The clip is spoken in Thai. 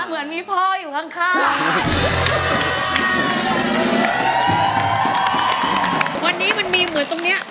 เดี๋ยวเดี๋ยวเดี๋ยว